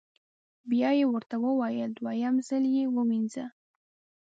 بیا یې ورته وویل: دویم ځل یې ووینځه.